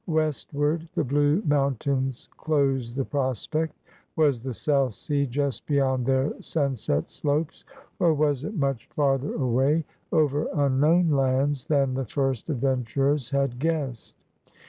Westward, the blue moun tains closed the prospect. Was the South Sea just beyond their sunset slopes, or was it much farther away, over imknown lands, than the first adven turers had guessed?